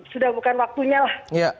sudah bukan waktunya lah